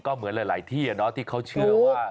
ก็เหมือนหลายที่ที่เขาเชื่อว่า